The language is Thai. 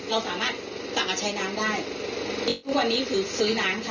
เราสามารถสั่งมาใช้น้ำได้ทุกวันนี้คือซื้อน้ำค่ะ